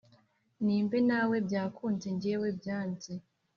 Nimbe nawe byakunze ngewe byanze